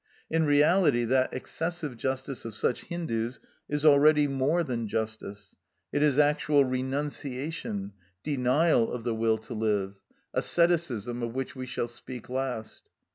In reality that excessive justice of such Hindus is already more than justice; it is actual renunciation, denial of the will to live,—asceticism, of which we shall speak last.